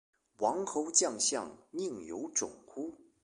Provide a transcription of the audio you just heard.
王侯将相，宁有种乎